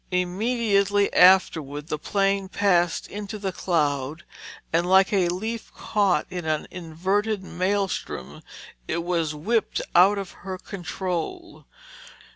Immediately afterward the plane passed into the cloud, and like a leaf caught in an inverted maelstrom, it was whipped out of her control.